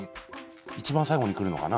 一番最後にくるのかな？